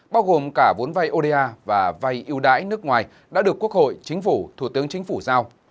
bao gồm cả vốn vay oda và vay ưu đãi nước ngoài đã được quốc hội chính phủ thủ tướng chính phủ giao